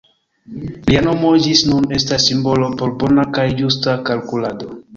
Lia nomo ĝis nun estas simbolo por bona kaj ĝusta kalkulado.